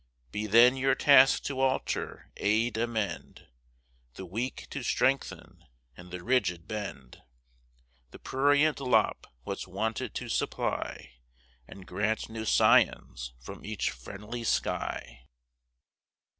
Be then your task to alter, aid, amend; The weak to strengthen, and the rigid bend; The prurient lop; what's wanted to supply; And grant new scions from each friendly sky.